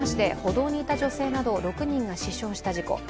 今月１９日、福島市で歩道にいた女性など６人が死傷した事故。